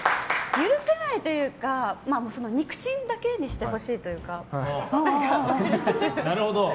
許せないというか肉親だけにしてほしいというか。